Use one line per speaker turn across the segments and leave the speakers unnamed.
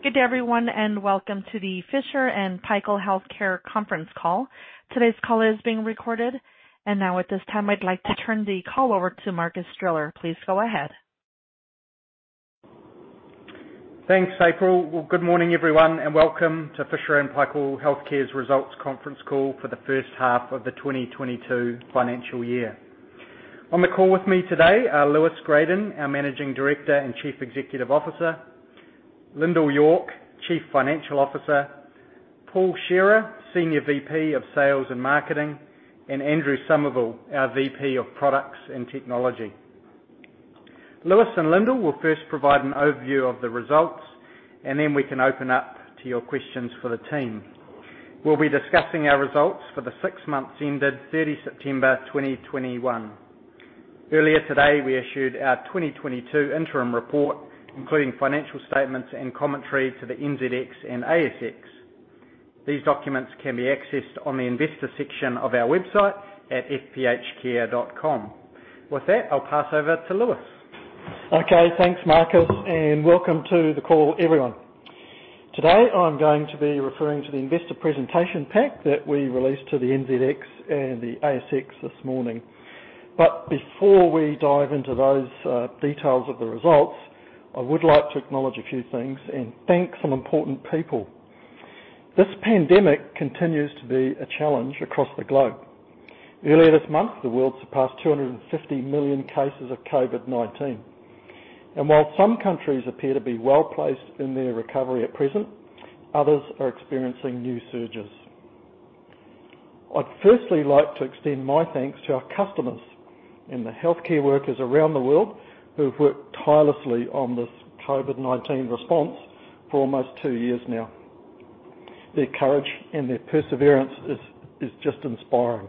Good day, everyone, and welcome to the Fisher & Paykel Healthcare Conference Call. Today's call is being recorded. Now, at this time, I'd like to turn the call over to Marcus Driller. Please go ahead.
Thanks, April. Well, good morning, everyone, and welcome to Fisher & Paykel Healthcare's Results Conference Call for the first half of the 2022 financial year. On the call with me today are Lewis Gradon, our Managing Director and Chief Executive Officer, Lyndall York, Chief Financial Officer, Paul Shearer, Senior VP of Sales and Marketing, and Andrew Somervell, our VP of Products and Technology. Lewis and Lyndall will first provide an overview of the results. Then we can open up to your questions for the team. We'll be discussing our results for the six months ended 30 September 2021. Earlier today, we issued our 2022 interim report, including financial statements and commentary to the NZX and ASX. These documents can be accessed on the investor section of our website at fphcare.com. With that, I'll pass over to Lewis.
Okay, thanks, Marcus, and welcome to the call, everyone. Today, I'm going to be referring to the investor presentation pack that we released to the NZX and the ASX this morning. Before we dive into those details of the results, I would like to acknowledge a few things and thank some important people. This pandemic continues to be a challenge across the globe. Earlier this month, the world surpassed 250 million cases of COVID-19, while some countries appear to be well-placed in their recovery at present, others are experiencing new surges. I'd firstly like to extend my thanks to our customers and the healthcare workers around the world who have worked tirelessly on this COVID-19 response for almost two years now. Their courage and their perseverance is just inspiring.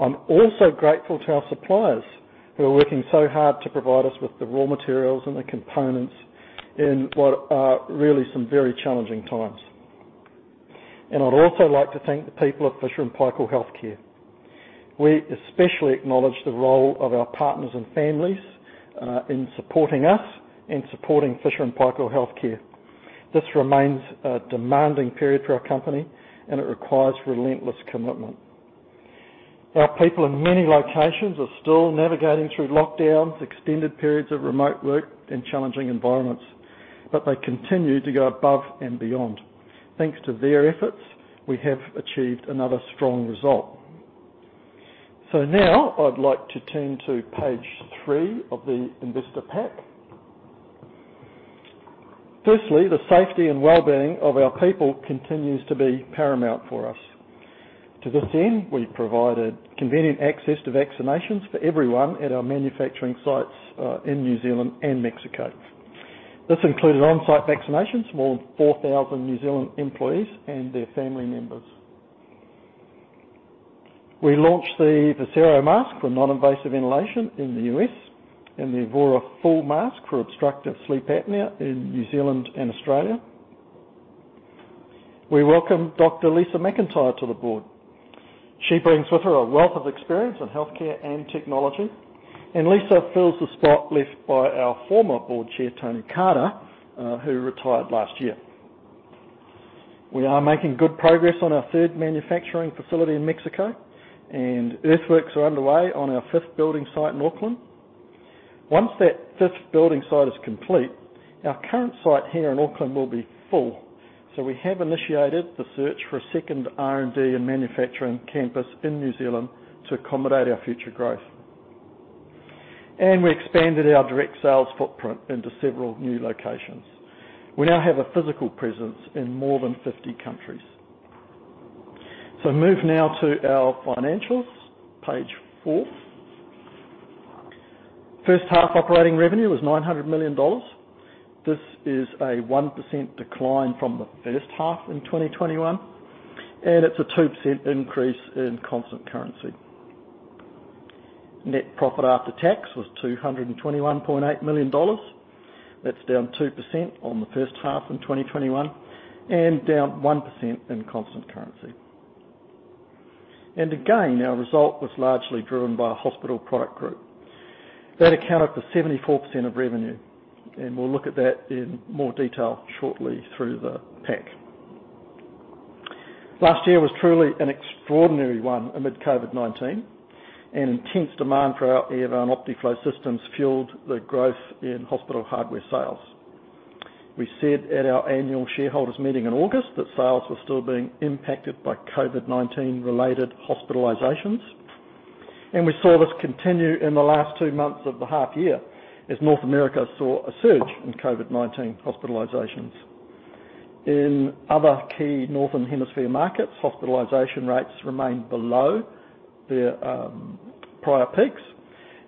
I'm also grateful to our suppliers, who are working so hard to provide us with the raw materials and the components in what are really some very challenging times. I'd also like to thank the people of Fisher & Paykel Healthcare. We especially acknowledge the role of our partners and families, in supporting us and supporting Fisher & Paykel Healthcare. This remains a demanding period for our company, and it requires relentless commitment. Our people in many locations are still navigating through lockdowns, extended periods of remote work, and challenging environments, but they continue to go above and beyond. Thanks to their efforts, we have achieved another strong result. Now I'd like to turn to page three of the investor pack. Firstly, the safety and wellbeing of our people continues to be paramount for us. To this end, we provided convenient access to vaccinations for everyone at our manufacturing sites, in New Zealand and Mexico. This included on-site vaccinations for more than 4,000 New Zealand employees and their family members. We launched the Vocero mask for non-invasive inhalation in the U.S. and the Evora Full mask for obstructive sleep apnea in New Zealand and Australia. We welcome Dr. Lisa McIntyre to the board. She brings with her a wealth of experience in healthcare and technology. Lisa fills the spot left by our former board chair, Tony Carter, who retired last year. We are making good progress on our third manufacturing facility in Mexico. Earthworks are underway on our fifth building site in Auckland. Once that fifth building site is complete, our current site here in Auckland will be full. We have initiated the search for a second R&D and manufacturing campus in New Zealand to accommodate our future growth. We expanded our direct sales footprint into several new locations. We now have a physical presence in more than 50 countries. Move now to our financials, page four. First half operating revenue was 900 million dollars. This is a 1% decline from the first half in 2021, and it's a 2% increase in constant currency. Net profit after tax was NZD 221.8 million. That's down 2% on the first half in 2021 and down 1% in constant currency. Again, our result was largely driven by our hospital product group. That accounted for 74% of revenue. We'll look at that in more detail shortly through the pack. Last year was truly an extraordinary one amid COVID-19. Intense demand for our Airvo and Optiflow systems fueled the growth in hospital hardware sales. We said at our annual shareholders meeting in August that sales were still being impacted by COVID-19-related hospitalizations. We saw this continue in the last two months of the half year as North America saw a surge in COVID-19 hospitalizations. In other key Northern Hemisphere markets, hospitalization rates remained below their prior peaks.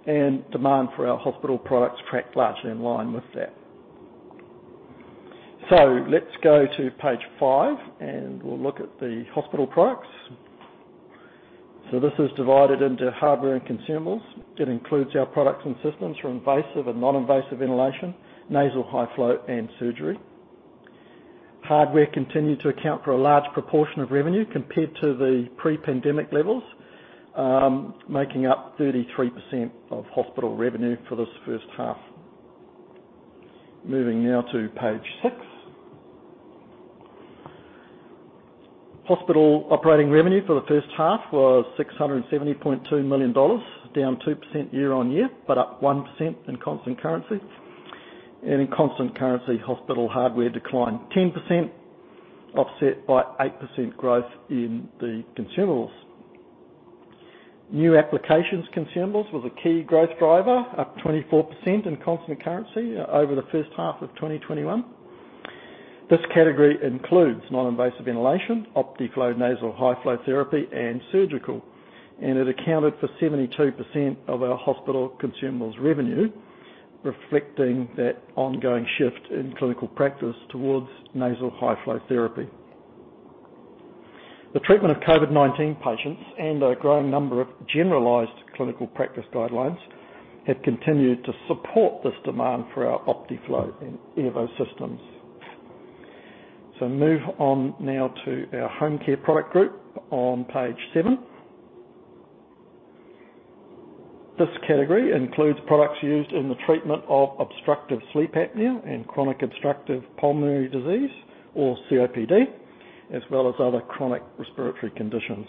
Demand for our hospital products tracked largely in line with that. Let's go to page five. We'll look at the hospital products. This is divided into hardware and consumables. It includes our products and systems for invasive and non-invasive inhalation, nasal high-flow, and surgery.... Hardware continued to account for a large proportion of revenue compared to the pre-pandemic levels, making up 33% of hospital revenue for this first half. Moving now to page six. Hospital operating revenue for the first half was $670.2 million, down 2% year-on-year, but up 1% in constant currency. In constant currency, hospital hardware declined 10%, offset by 8% growth in the consumables. New applications consumables was a key growth driver, up 24% in constant currency over the first half of 2021. This category includes non-invasive ventilation, Optiflow, nasal high flow therapy, and surgical, and it accounted for 72% of our hospital consumables revenue, reflecting that ongoing shift in clinical practice towards nasal high flow therapy. The treatment of COVID-19 patients and a growing number of generalized clinical practice guidelines, have continued to support this demand for our Optiflow and Airvo systems. Move on now to our home care product group on page seven. This category includes products used in the treatment of obstructive sleep apnea and chronic obstructive pulmonary disease, or COPD, as well as other chronic respiratory conditions.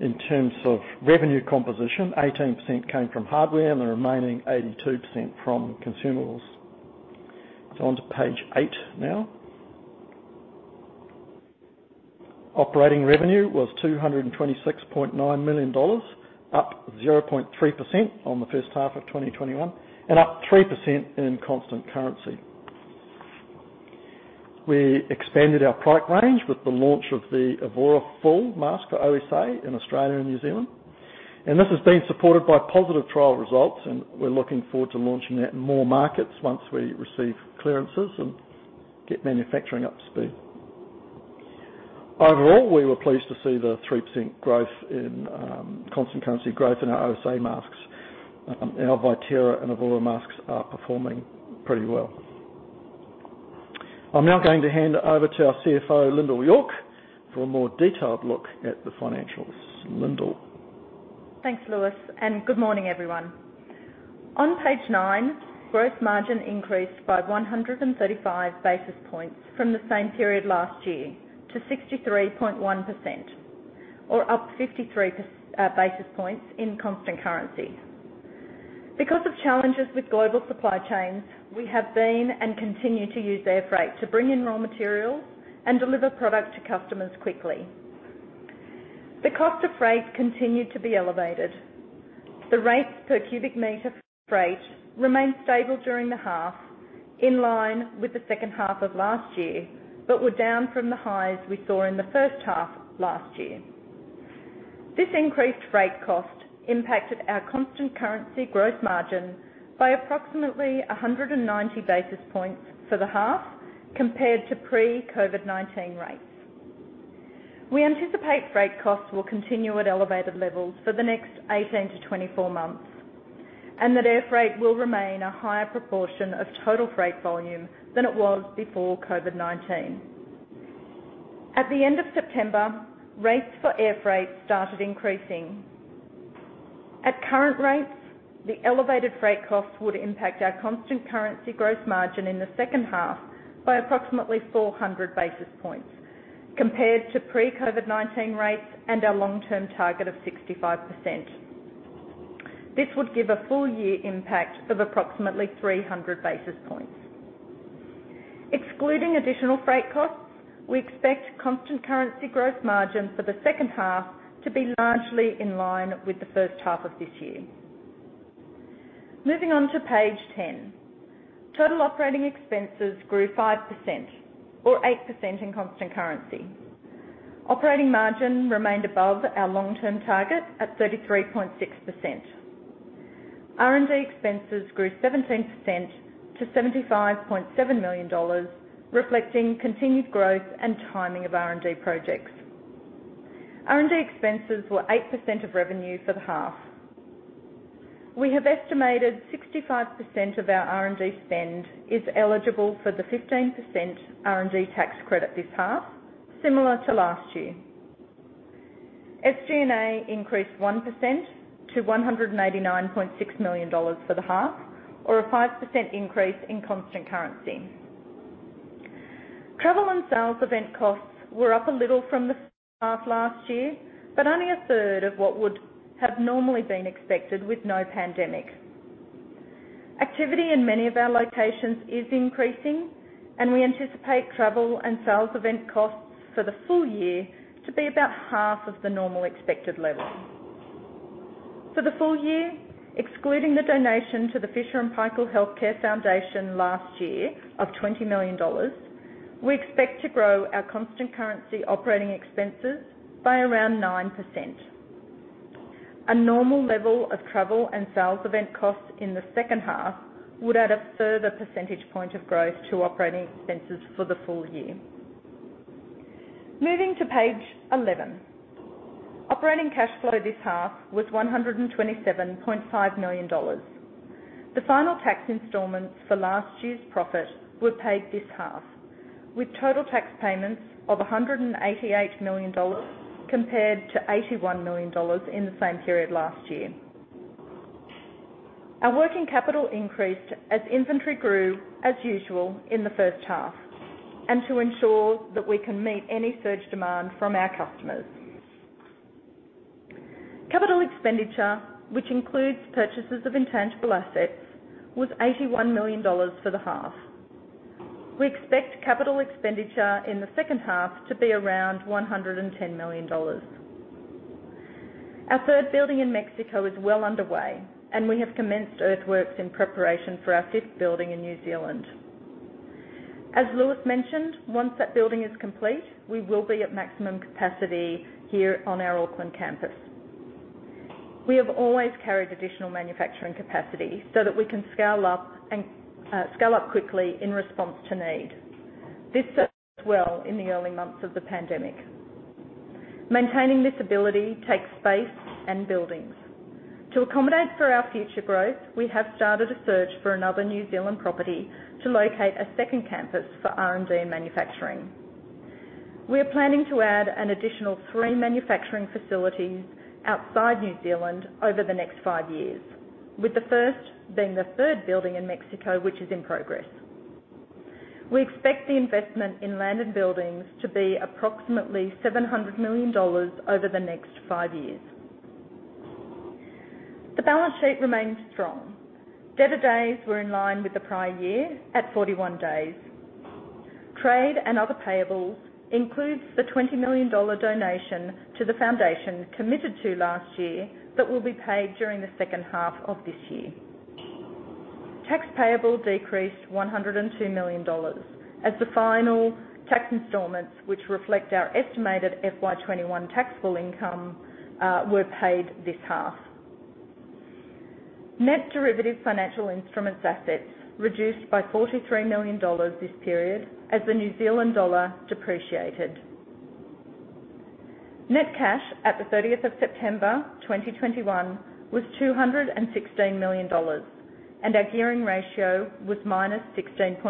In terms of revenue composition, 18% came from hardware and the remaining 82% from consumables. On to page eight now. Operating revenue was 226.9 million dollars, up 0.3% on the first half of 2021, and up 3% in constant currency. We expanded our product range with the launch of the Evora Full Mask for OSA in Australia and New Zealand. This has been supported by positive trial results, we're looking forward to launching that in more markets once we receive clearances and get manufacturing up to speed. Overall, we were pleased to see the 3% growth in constant currency growth in our OSA masks. Our Vitera and Evora masks are performing pretty well. I'm now going to hand over to our CFO, Lyndal York, for a more detailed look at the financials. Lyndal?
Thanks, Lewis. Good morning, everyone. On page nine, gross margin increased by 135 basis points from the same period last year to 63.1%, or up 53 basis points in constant currency. Because of challenges with global supply chains, we have been and continue to use air freight to bring in raw materials and deliver product to customers quickly. The cost of freight continued to be elevated. The rates per cubic meter for freight remained stable during the half, in line with the second half of last year, were down from the highs we saw in the first half last year. This increased rate cost impacted our constant currency growth margin by approximately 190 basis points for the half, compared to pre-COVID-19 rates. We anticipate freight costs will continue at elevated levels for the next 18-24 months, and that air freight will remain a higher proportion of total freight volume than it was before COVID-19. At the end of September, rates for air freight started increasing. At current rates, the elevated freight costs would impact our constant currency growth margin in the second half by approximately 400 basis points, compared to pre-COVID-19 rates and our long-term target of 65%. This would give a full year impact of approximately 300 basis points. Excluding additional freight costs, we expect constant currency growth margin for the second half to be largely in line with the first half of this year. Moving on to page 10. Total operating expenses grew 5% or 8% in constant currency. Operating margin remained above our long-term target at 33.6%. R&D expenses grew 17% to 75.7 million dollars, reflecting continued growth and timing of R&D projects. R&D expenses were 8% of revenue for the half. We have estimated 65% of our R&D spend is eligible for the 15% R&D tax credit this half, similar to last year. SG&A increased 1% to 189.6 million dollars for the half, or a 5% increase in constant currency. Travel and sales event costs were up a little from the half last year, but only a third of what would have normally been expected with no pandemic. Activity in many of our locations is increasing, and we anticipate travel and sales event costs for the full year to be about half of the normal expected level. For the full year, excluding the donation to the Fisher & Paykel Healthcare Foundation last year of 20 million dollars, we expect to grow our constant currency operating expenses by around 9%. A normal level of travel and sales event costs in the second half would add a further percentage point of growth to operating expenses for the full year. Moving to page 11. Operating cash flow this half was 127.5 million dollars. The final tax installments for last year's profit were paid this half, with total tax payments of 188 million dollars compared to 81 million dollars in the same period last year. Our working capital increased as inventory grew as usual in the first half, and to ensure that we can meet any surge demand from our customers. CapEx, which includes purchases of intangible assets, was 81 million dollars for the half. We expect CapEx in the second half to be around 110 million dollars. Our third building in Mexico is well underway, and we have commenced earthworks in preparation for our fifth building in New Zealand. As Lewis mentioned, once that building is complete, we will be at maximum capacity here on our Auckland campus. We have always carried additional manufacturing capacity so that we can scale up and scale up quickly in response to need. This served us well in the early months of the pandemic. Maintaining this ability takes space and buildings. To accommodate for our future growth, we have started a search for another New Zealand property to locate a second campus for R&D and manufacturing. We are planning to add an additional three manufacturing facilities outside New Zealand over the next five years, with the first being the third building in Mexico, which is in progress. We expect the investment in land and buildings to be approximately 700 million dollars over the next five years. The balance sheet remains strong. Debtor days were in line with the prior year at 41 days. Trade and other payables includes the 20 million dollar donation to the Foundation committed to last year, that will be paid during the second half of this year. Tax payable decreased 102 million dollars as the final tax installments, which reflect our estimated FY21 taxable income, were paid this half. Net derivative financial instruments assets reduced by 43 million dollars this period, as the New Zealand dollar depreciated. Net cash at the 30 September 2021 was 216 million dollars, our gearing ratio was -16.6%.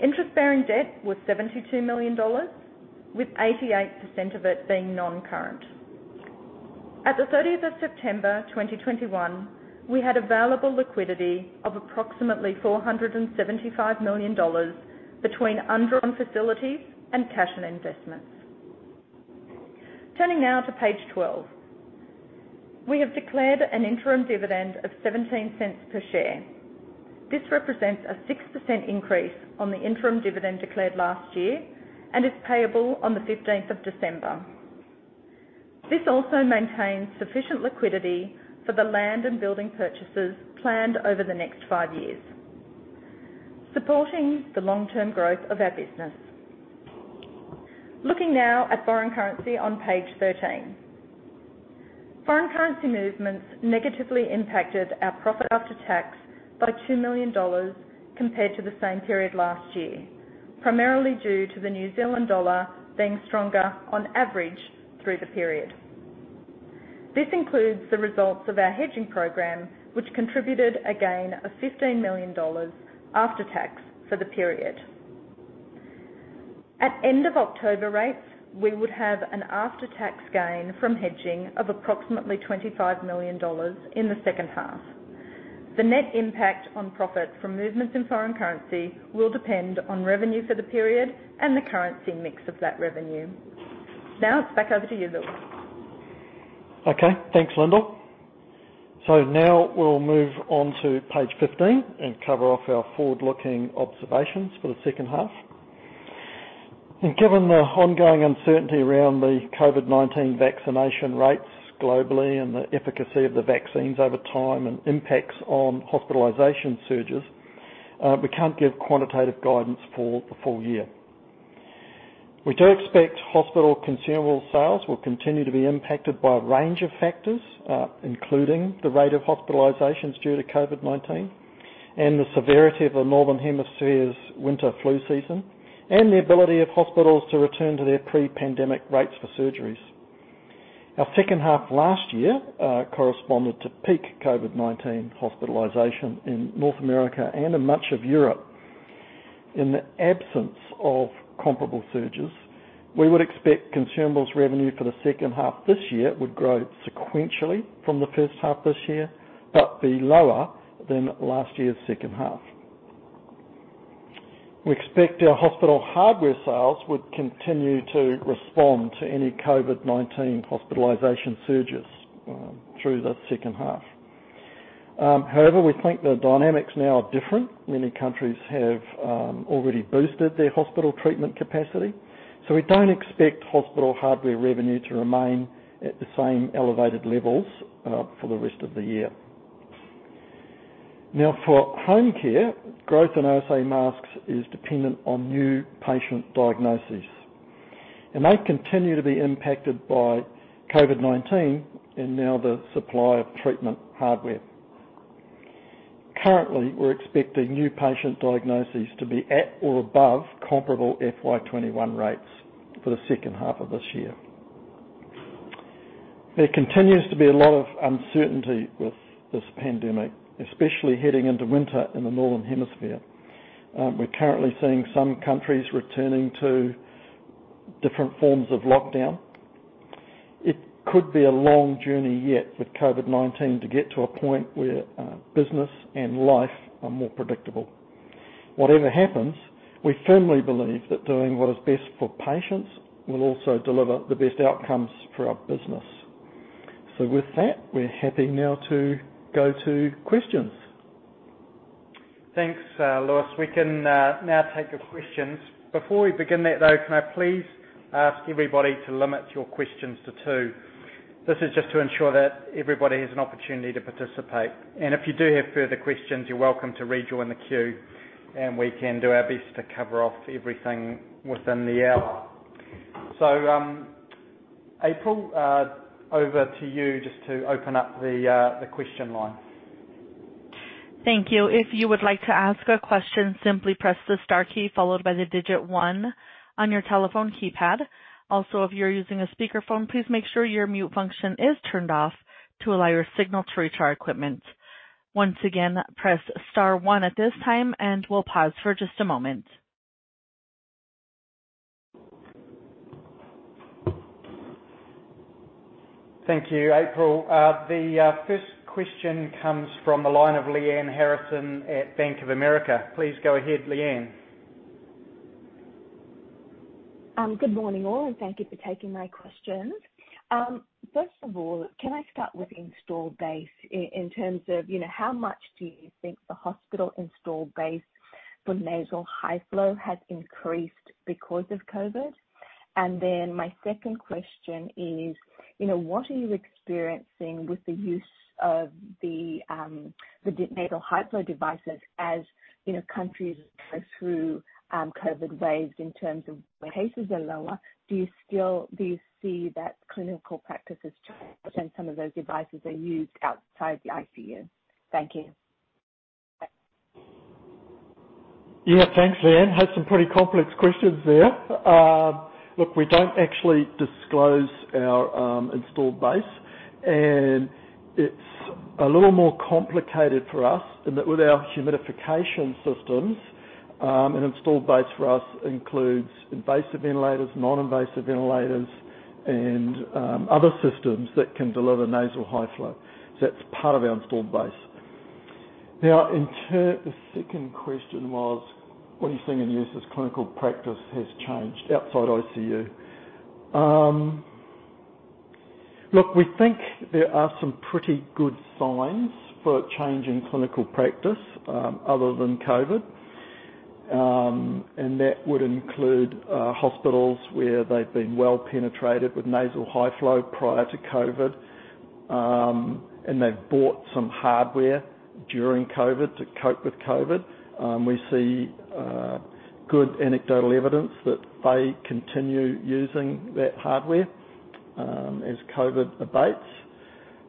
Interest-bearing debt was NZD 72 million, with 88% of it being non-current. At the 30 September 2021, we had available liquidity of approximately 475 million dollars between undrawn facilities and cash and investments. Turning now to page 12. We have declared an interim dividend of 0.17 per share. This represents a 6% increase on the interim dividend declared last year, is payable on the 15 December. This also maintains sufficient liquidity for the land and building purchases planned over the next five years, supporting the long-term growth of our business. Looking now at foreign currency on page 13. Foreign currency movements negatively impacted our profit after tax by two million dollars compared to the same period last year, primarily due to the New Zealand dollar being stronger on average through the period. This includes the results of our hedging program, which contributed a gain of 15 million dollars after tax for the period. At end of October rates, we would have an after-tax gain from hedging of approximately 25 million dollars in the second half. The net impact on profit from movements in foreign currency will depend on revenue for the period and the currency mix of that revenue. It's back over to you, Lewis.
Okay, thanks, Lyndal. Now we'll move on to page 15 and cover off our forward-looking observations for the second half. Given the ongoing uncertainty around the COVID-19 vaccination rates globally and the efficacy of the vaccines over time and impacts on hospitalization surges, we can't give quantitative guidance for the full year. We do expect hospital consumable sales will continue to be impacted by a range of factors, including the rate of hospitalizations due to COVID-19, and the severity of the Northern Hemisphere's winter flu season, and the ability of hospitals to return to their pre-pandemic rates for surgeries. Our second half last year corresponded to peak COVID-19 hospitalization in North America and in much of Europe. In the absence of comparable surges, we would expect consumables revenue for the second half this year would grow sequentially from the first half this year, but be lower than last year's second half. We expect our hospital hardware sales would continue to respond to any COVID-19 hospitalization surges through the second half. However, we think the dynamics now are different. Many countries have already boosted their hospital treatment capacity, we don't expect hospital hardware revenue to remain at the same elevated levels for the rest of the year. Now, for home care, growth in OSA masks is dependent on new patient diagnoses, and they continue to be impacted by COVID-19 and now the supply of treatment hardware. Currently, we're expecting new patient diagnoses to be at or above comparable FY 2021 rates for the second half of this year. There continues to be a lot of uncertainty with this pandemic, especially heading into winter in the Northern Hemisphere. We're currently seeing some countries returning to different forms of lockdown. It could be a long journey, yet, with COVID-19, to get to a point where business and life are more predictable. Whatever happens, we firmly believe that doing what is best for patients will also deliver the best outcomes for our business. With that, we're happy now to go to questions.
Thanks, Lewis. We can now take the questions. Before we begin that, though, can I please ask everybody to limit your questions to two? This is just to ensure that everybody has an opportunity to participate. If you do have further questions, you're welcome to rejoin the queue, and we can do our best to cover off everything within the hour. April, over to you, just to open up the question line.
Thank you. If you would like to ask a question, simply press the star key, followed by the digit one on your telephone keypad. Also, if you're using a speakerphone, please make sure your mute function is turned off to allow your signal to reach our equipment. Once again, press star one at this time, and we'll pause for just a moment.
Thank you, April. The first question comes from the line of Lyanne Harrison at Bank of America. Please go ahead, Lyanne.
Good morning, all, and thank you for taking my questions. First of all, can I start with install base in terms of, you know, how much do you think the hospital install base for nasal high flow has increased because of COVID? My second question is, you know, what are you experiencing with the use of the nasal high flow devices as, you know, countries go through COVID waves in terms of when cases are lower? Do you still see that clinical practices change, and some of those devices are used outside the ICU? Thank you.
Yeah, thanks, Lyanne. Had some pretty complex questions there. look, we don't actually disclose our installed base, and it's a little more complicated for us in that with our humidification systems, an installed base for us includes invasive ventilators, non-invasive ventilators and other systems that can deliver nasal high flow. That's part of our installed base. Now, in turn, the second question was, what are you seeing in uses clinical practice has changed outside ICU? look, we think there are some pretty good signs for a change in clinical practice, other than COVID. That would include hospitals where they've been well penetrated with nasal high flow prior to COVID, and they've bought some hardware during COVID to cope with COVID. we see good anecdotal evidence that they continue using that hardware as COVID abates.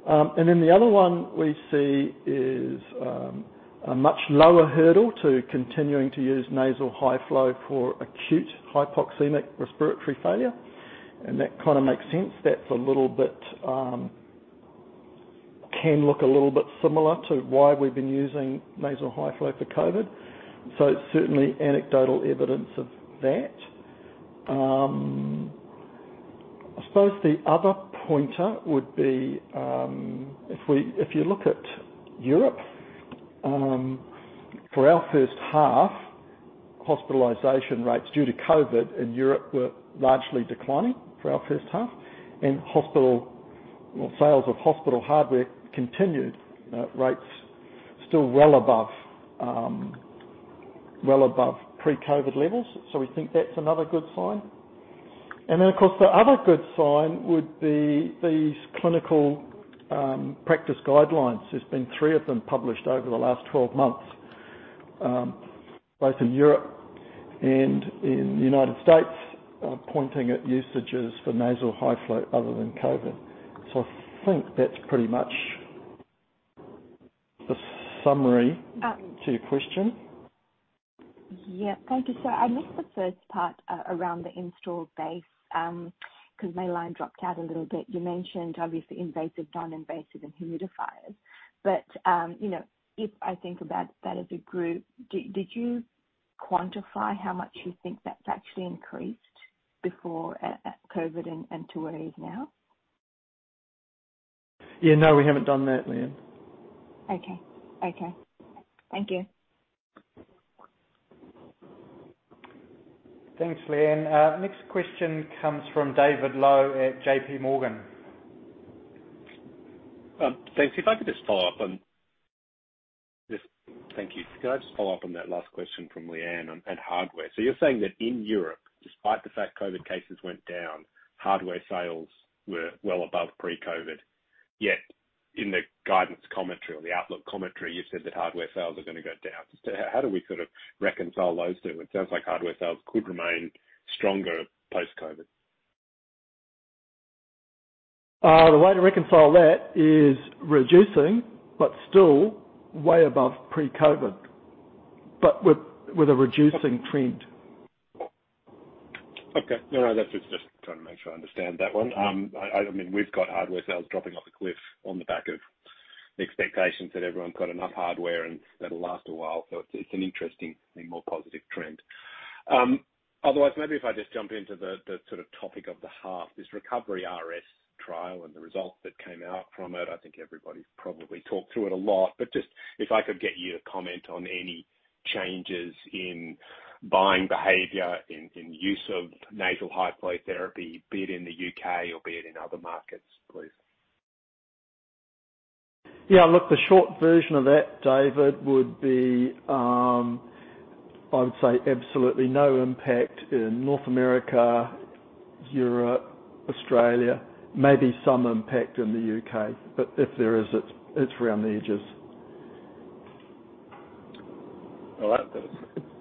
The other one we see is a much lower hurdle to continuing to use nasal high flow for acute hypoxemic respiratory failure, and that kind of makes sense. That's a little bit. Can look a little bit similar to why we've been using nasal high flow for COVID, so certainly anecdotal evidence of that. I suppose the other pointer would be, if you look at Europe, for our first half, hospitalization rates due to COVID in Europe were largely declining for our first half, sales of hospital hardware continued at rates still well above pre-COVID levels. We think that's another good sign. Of course, the other good sign would be these clinical practice guidelines. There's been three of them published over the last 12 months, both in Europe and in the United States, pointing at usages for nasal high flow other than COVID. I think that's pretty much the summary.
Um.
To your question.
Yeah. Thank you. I missed the first part around the installed base, 'cause my line dropped out a little bit. You mentioned obviously invasive, non-invasive and humidifiers, you know, if I think about that as a group, did you quantify how much you think that's actually increased before COVID and to where it is now?
Yeah, no, we haven't done that, Lyanne.
Okay. Okay. Thank you.
Thanks, Lyanne. Next question comes from David Low at JP Morgan.
Thanks. If I could just follow up on... Thank you. Can I just follow up on that last question from Lyanne on, and hardware? You're saying that in Europe, despite the fact COVID cases went down, hardware sales were well above pre-COVID, yet in the guidance commentary or the outlook commentary, you've said that hardware sales are gonna go down. How do we sort of reconcile those two? It sounds like hardware sales could remain stronger post-COVID....
The way to reconcile that is reducing, but still way above pre-COVID, but with a reducing trend.
Okay. No, no, that's just trying to make sure I understand that one. I mean, we've got hardware sales dropping off a cliff on the back of the expectations that everyone got enough hardware, and that'll last a while. It's an interesting and more positive trend. Maybe if I just jump into the sort of topic of the half, this RECOVERY-RS trial and the results that came out from it. I think everybody's probably talked through it a lot, but just if I could get you to comment on any changes in buying behavior, in use of nasal high flow therapy, be it in the U.K. or be it in other markets, please.
Yeah, look, the short version of that, David, would be, I would say absolutely no impact in North America, Europe, Australia. Maybe some impact in the U.K., but if there is, it's around the edges.
Well, that was quick and easy. Thanks.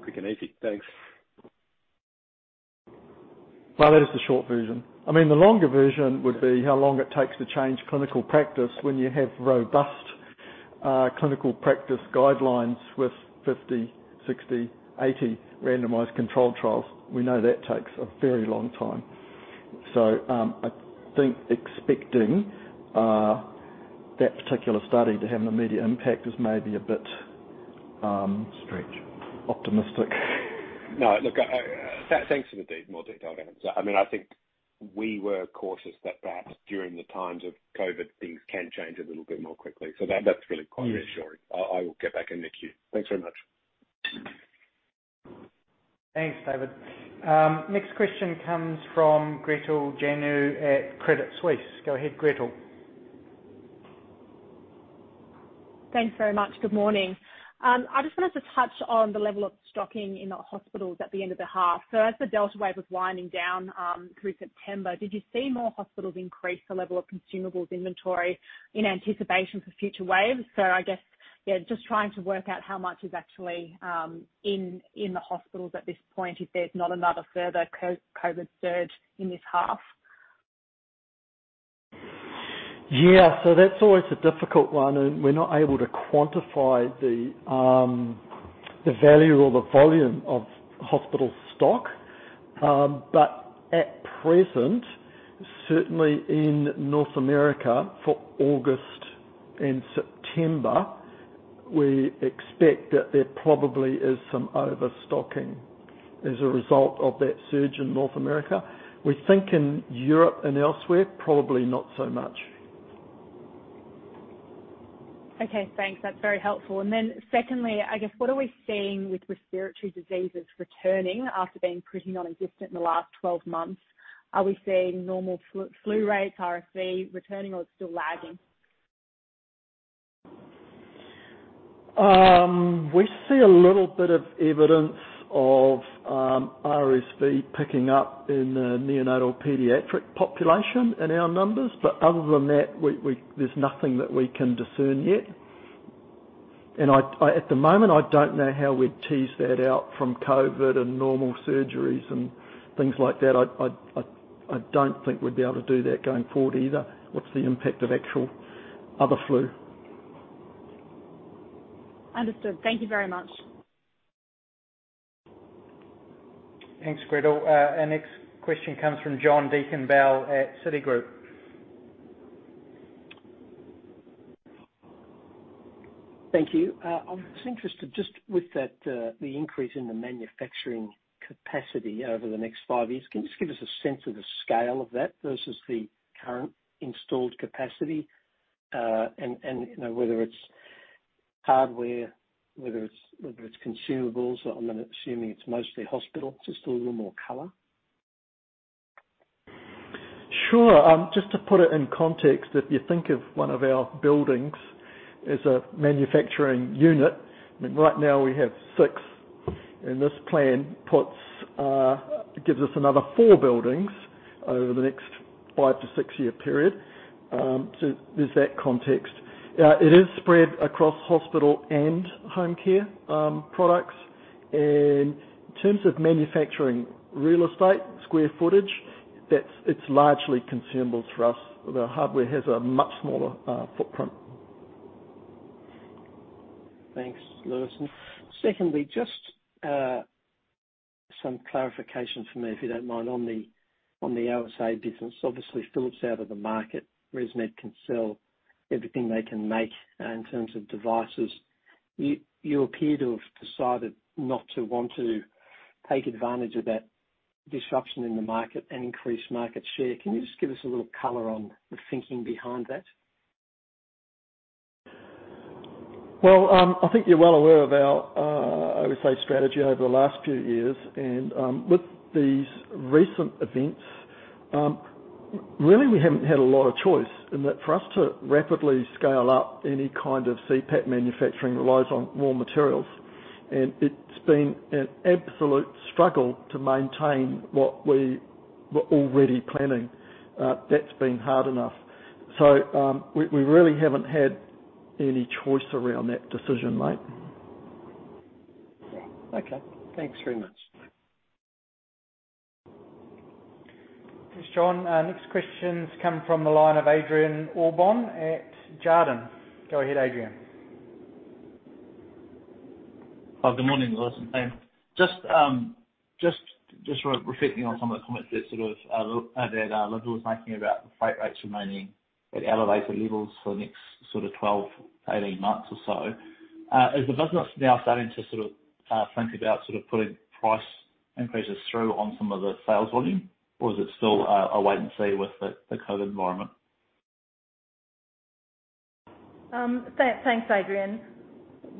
Well, that is the short version. I mean, the longer version would be how long it takes to change clinical practice when you have robust clinical practice guidelines with 50, 60, 80 randomized controlled trials. We know that takes a very long time. I think expecting that particular study to have an immediate impact is maybe a bit.
Stretch...
optimistic.
No, look, I, thanks for the deep, more detailed answer. I mean, I think we were cautious that perhaps during the times of COVID, things can change a little bit more quickly. That's really quite.
Mm.
Reassuring. I will get back in next year. Thanks very much.
Thanks, David. Next question comes from Gretel Janu at Credit Suisse. Go ahead, Gretel.
Thanks very much. Good morning. I just wanted to touch on the level of stocking in the hospitals at the end of the half. As the Delta wave was winding down, through September, did you see more hospitals increase the level of consumables inventory in anticipation for future waves? I guess, yeah, just trying to work out how much is actually in the hospitals at this point, if there's not another further COVID surge in this half.
That's always a difficult one, and we're not able to quantify the value or the volume of hospital stock. At present, certainly in North America, for August and September, we expect that there probably is some overstocking as a result of that surge in North America. We think in Europe and elsewhere, probably not so much.
Okay, thanks. That's very helpful. Secondly, I guess, what are we seeing with respiratory diseases returning after being pretty non-existent in the last 12 months? Are we seeing normal flu rates, RSV returning, or it's still lagging?
We see a little bit of evidence of RSV picking up in the neonatal pediatric population in our numbers, but other than that, there's nothing that we can discern yet. And I, at the moment, I don't know how we'd tease that out from COVID and normal surgeries and things like that. I don't think we'd be able to do that going forward either. What's the impact of actual other flu?
Understood. Thank you very much.
Thanks, Gretel. Our next question comes from John Deakin-Bell at Citigroup.
Thank you. I'm just interested, just with that, the increase in the manufacturing capacity over the next five years, can you just give us a sense of the scale of that versus the current installed capacity? You know, whether it's hardware, whether it's consumables, I'm assuming it's mostly hospital, just a little more color.
Sure. just to put it in context, if you think of one of our buildings as a manufacturing unit, I mean, right now we have six, and this plan puts, gives us another four buildings over the next five to six-year period, so there's that context. It is spread across hospital and home care, products. In terms of manufacturing real estate, square footage, it's largely consumable for us. The hardware has a much smaller, footprint.
Thanks, Lewis. Secondly, just some clarification for me, if you don't mind, on the, on the OSA business. Obviously, Philips out of the market, ResMed can sell everything they can make in terms of devices. You appear to have decided not to want to take advantage of that disruption in the market and increase market share. Can you just give us a little color on the thinking behind that?
Well, I think you're well aware of our OSA strategy over the last few years. With these recent events, really, we haven't had a lot of choice in that. For us to rapidly scale up any kind of CPAP manufacturing relies on raw materials, and it's been an absolute struggle to maintain what we were already planning. That's been hard enough. We really haven't had any choice around that decision, mate. Okay, thanks very much.
Thanks, John. Next question's coming from the line of Adrian Allbon at Jarden. Go ahead, Adrian.
Well, good morning, Lewis and team. Just reflecting on some of the comments that sort of that Lewis was making about the freight rates remaining at elevated levels for the next sort of 12, 18 months or so. Is the business now starting to sort of think about putting price increases through on some of the sales volume, or is it still a wait and see with the COVID environment?
Thanks, Adrian.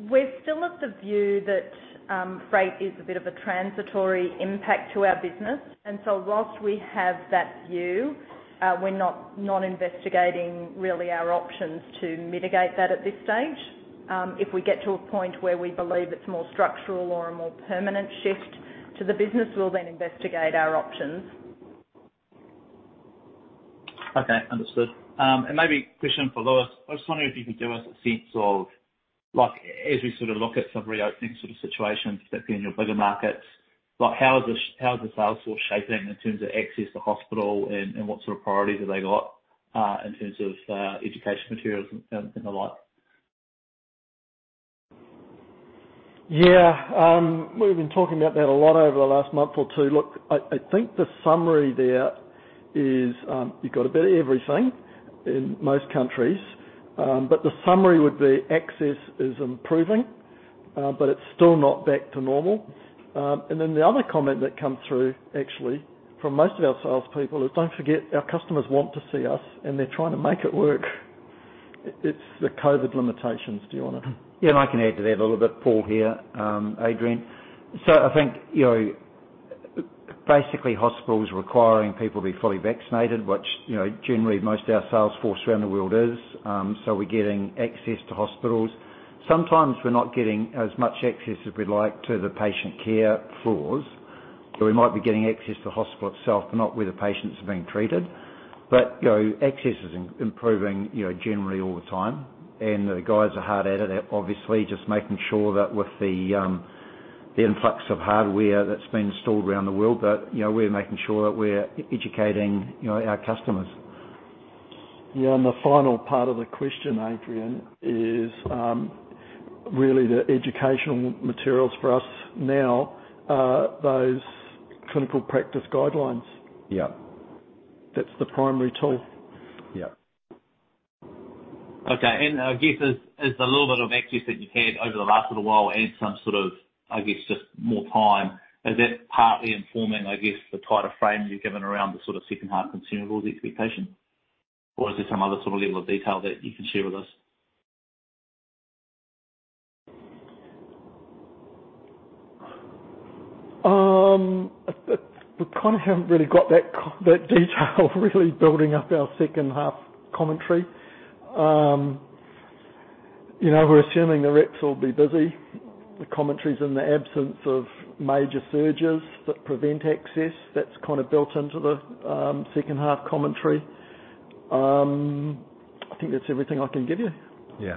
We're still of the view that freight is a bit of a transitory impact to our business, and so whilst we have that view, we're not investigating really our options to mitigate that at this stage. If we get to a point where we believe it's more structural or a more permanent shift to the business, we'll then investigate our options.
Okay, understood. Maybe a question for Lewis. I was wondering if you could give us a sense of, like, as we sort of look at some reopening sort of situations, particularly in your bigger markets, like how is the sales force shaping in terms of access to hospital and what sort of priorities have they got in terms of education materials and the like?
Yeah, we've been talking about that a lot over the last month or two. Look, I think the summary there is, you've got a bit of everything in most countries. The summary would be, access is improving, but it's still not back to normal. The other comment that comes through, actually, from most of our salespeople is, don't forget, our customers want to see us, and they're trying to make it work. It, it's the COVID limitations.
Yeah, I can add to that a little bit, Paul here, Adrian. I think, you know, basically, hospitals requiring people to be fully vaccinated, which, you know, generally most of our sales force around the world is, we're getting access to hospitals. Sometimes we're not getting as much access as we'd like to the patient care floors. We might be getting access to the hospital itself, not where the patients are being treated. You know, access is improving, you know, generally all the time. The guys are hard at it, obviously, just making sure that with the influx of hardware that's been installed around the world, that, you know, we're making sure that we're educating, you know, our customers.
Yeah, the final part of the question, Adrian, is really the educational materials for us now, are those clinical practice guidelines.
Yeah.
That's the primary tool.
Yeah.
Okay, I guess, as the little bit of access that you've had over the last little while and some sort of, I guess, just more time, is that partly informing, I guess, the tighter frame you're given around the sort of second half consumables expectation? Is there some other sort of level of detail that you can share with us?
We kind of haven't really got that detail, really building up our second half commentary. You know, we're assuming the reps will be busy. The commentary is in the absence of major surges that prevent access. That's kind of built into the second half commentary. I think that's everything I can give you.
Yeah.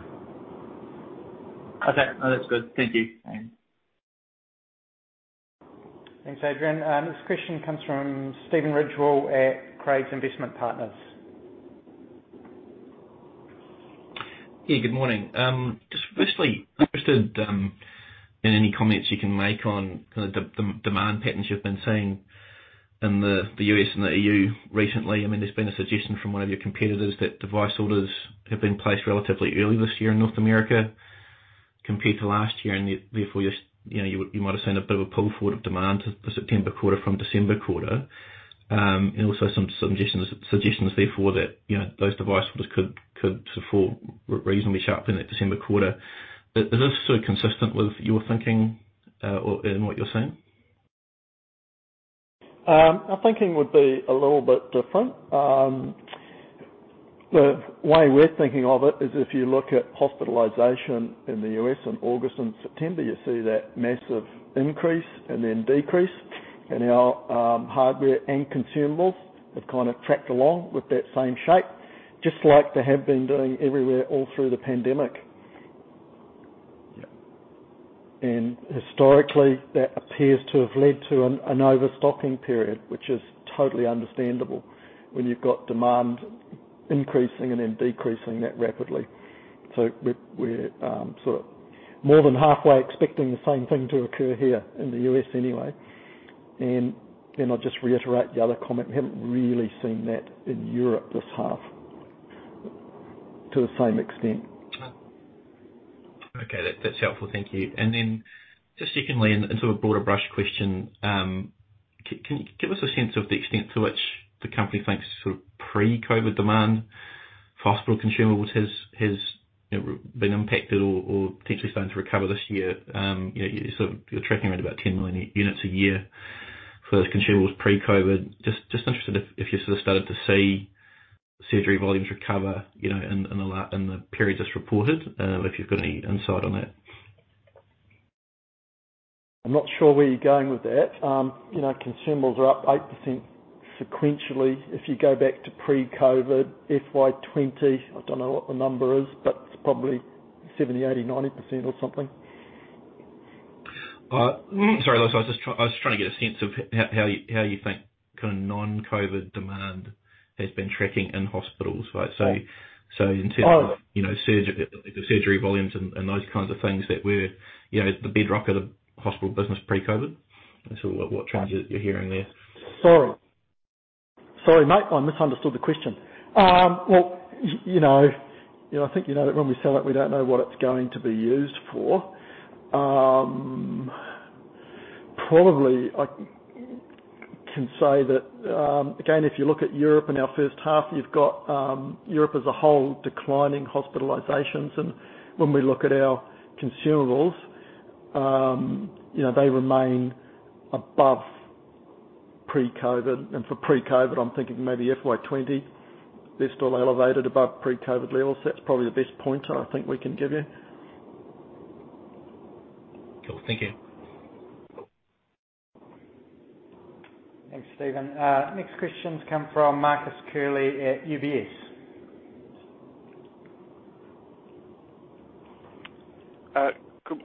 Okay. No, that's good. Thank you.
Thanks, Adrian. Next question comes from Stephen Ridgewell at Craigs Investment Partners.
Yeah, good morning. Just firstly, interested in any comments you can make on the demand patterns you've been seeing in the U.S. and the EU recently. I mean, there's been a suggestion from one of your competitors that device orders have been placed relatively early this year in North America compared to last year, and therefore, you know, you might have seen a bit of a pull forward of demand, the September quarter from December quarter. Also some suggestions therefore, that, you know, those device orders could fall reasonably sharp in that December quarter. Is this sort of consistent with your thinking, or and what you're seeing?
Our thinking would be a little bit different. The way we're thinking of it, is if you look at hospitalization in the U.S. in August and September, you see that massive increase and then decrease, and our hardware and consumables have kind of tracked along with that same shape, just like they have been doing everywhere, all through the pandemic.
Yeah.
Historically, that appears to have led to an overstocking period, which is totally understandable when you've got demand increasing and then decreasing that rapidly. We're sort of more than halfway expecting the same thing to occur here in the U.S. anyway. Then I'll just reiterate the other comment. We haven't really seen that in Europe this half, to the same extent.
Okay, that's helpful. Thank you. just secondly, and sort of a broader brush question, can you give us a sense of the extent to which the company thinks sort of pre-COVID demand for hospital consumables has, you know, been impacted or potentially starting to recover this year? you know, you're tracking around about 10 million units a year for those consumables pre-COVID. just interested if you sort of started to see surgery volumes recover, you know, in the period just reported, if you've got any insight on that?
I'm not sure where you're going with that. you know, consumables are up 8% sequentially, if you go back to pre-COVID, FY 20, I don't know what the number is, but it's probably 70%, 80%, 90% or something.
Sorry, Lewis, I was trying to get a sense of how you think kind of non-COVID demand has been tracking in hospitals, right?
Oh.
You know, surge, surgery volumes and those kinds of things that were, you know, the bedrock of the hospital business pre-COVID, and sort of what trends you're hearing there.
Sorry, mate. I misunderstood the question. Well, you know, you know, I think you know that when we sell it, we don't know what it's going to be used for. Probably I can say that, again, if you look at Europe in our first half, you've got Europe as a whole declining hospitalizations. When we look at our consumables, you know, they remain above pre-COVID. For pre-COVID, I'm thinking maybe FY20, they're still elevated above pre-COVID levels. That's probably the best pointer I think we can give you.
Cool. Thank you.
Thanks, Steven. Next questions come from Marcus Curley at UBS.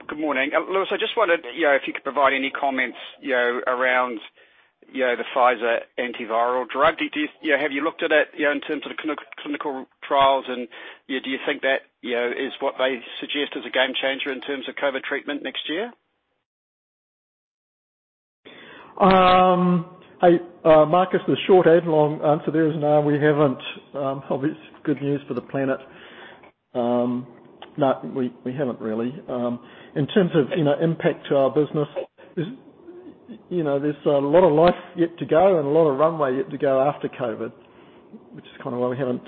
Good morning. Lewis, I just wondered, you know, if you could provide any comments, you know, around, you know, the Pfizer antiviral drug. You know, have you looked at it, you know, in terms of the clinical trials, and, you know, do you think that, you know, is what they suggest is a game changer in terms of COVID-19 treatment next year?
I, Marcus, the short and long answer to that is, no, we haven't. Obviously, it's good news for the planet. No, we haven't really. In terms of, you know, impact to our business, there's, you know, there's a lot of life yet to go and a lot of runway yet to go after COVID, which is kind of why we haven't,